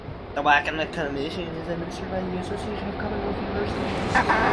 The work of the commission is administered by the Association of Commonwealth Universities.